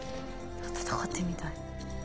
闘ってるみたい。